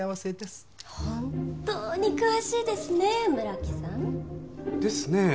本当に詳しいですね村木さん。ですね。